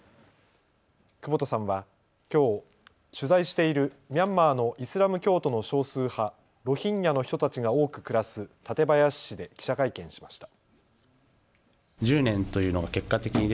久保田さんはきょう取材しているミャンマーのイスラム教徒の少数派ロヒンギャの人たちが多く暮らす館林市で記者会見しました。